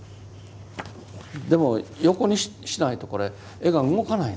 でも横にしないとこれ絵が動かないんです。